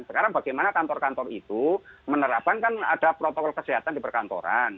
sekarang bagaimana kantor kantor itu menerapkan kan ada protokol kesehatan di perkantoran